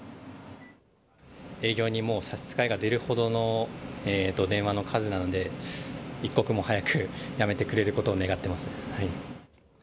営業にもうさしつかえが出るほどの電話の数なので、一刻も早くやめてくれることを願ってます。